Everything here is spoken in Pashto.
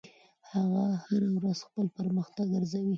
هغه هره ورځ خپل پرمختګ ارزوي.